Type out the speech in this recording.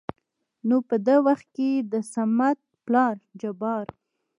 نو په د وخت کې دصمد پلار جبار